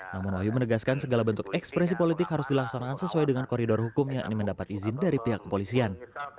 namun wahyu menegaskan segala bentuk ekspresi politik harus dilaksanakan sesuai dengan koridor hukum yang ingin mendapat izin dari pihak kepolisian